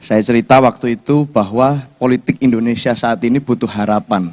saya cerita waktu itu bahwa politik indonesia saat ini butuh harapan